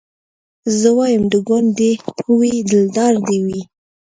زه وايم د ګوند دي وي دلدار دي وي